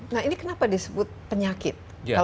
nah ini kenapa disebut penyakit